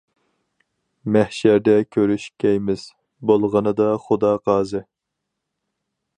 مەھشەردە كۆرۈشكەيمىز، بولغىنىدا خۇدا قازى.